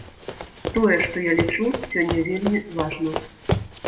Тое, што я лічу, сёння вельмі важна.